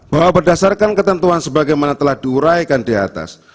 bahwa berdasarkan ketentuan sebagaimana telah diuraikan diatas